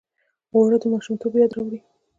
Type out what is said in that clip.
اوړه د ماشومتوب یاد راوړي